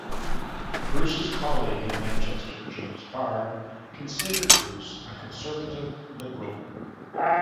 Bruce's colleague at Manchester, James Barr, considered Bruce a conservative liberal.